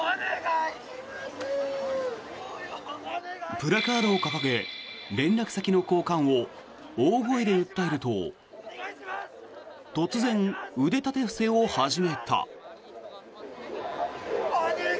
プラカードを掲げ連絡先の交換を大声で訴えると突然、腕立て伏せを始めた。